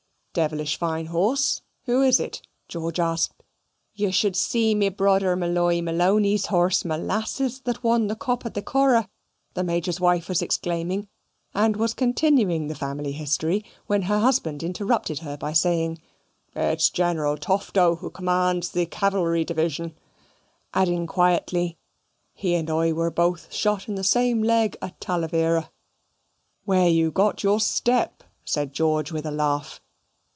"Devlish fine horse who is it?" George asked. "You should see me brother Molloy Malony's horse, Molasses, that won the cop at the Curragh," the Major's wife was exclaiming, and was continuing the family history, when her husband interrupted her by saying "It's General Tufto, who commands the cavalry division"; adding quietly, "he and I were both shot in the same leg at Talavera." "Where you got your step," said George with a laugh.